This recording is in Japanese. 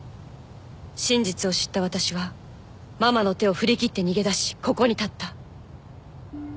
真実を知った私はママの手を振り切って逃げ出しここに立った。